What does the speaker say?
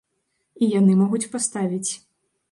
І яны могуць паставіць.